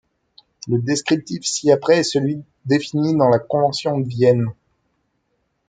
Le descriptif ci-après est celui défini dans la convention de Vienne.